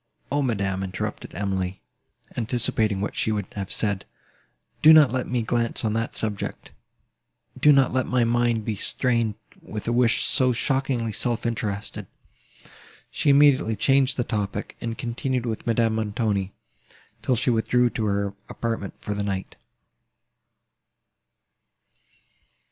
"O, madam!" interrupted Emily, anticipating what she would have said, "do not let me glance on that subject: do not let my mind be stained with a wish so shockingly self interested." She immediately changed the topic, and continued with Madame Montoni, till she withdrew to her apartment for the night.